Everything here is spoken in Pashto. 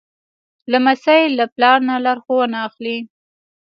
لمسی له پلار نه لارښوونه اخلي.